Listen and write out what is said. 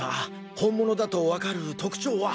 本物だとわかる特徴は？